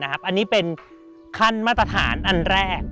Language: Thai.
อันนี้เป็นขั้นมาตรฐานอันแรก